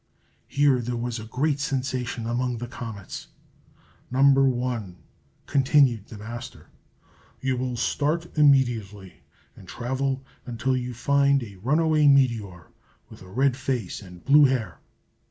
Here there was a great sensation among the comets. "No. 1," continued the Master, "you will start immediately, and travel until you find a runaway meteor, with a red face and blue hair.